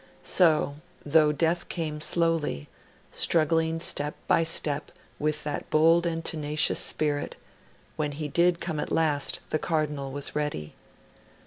So, though Death came slowly, struggling step by step with that bold and tenacious spirit, when he did come at last the Cardinal was ready.